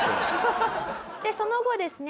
その後ですね